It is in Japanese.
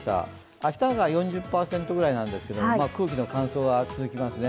明日が４０％ぐらいなんですけど、空気の乾燥がつづきますね。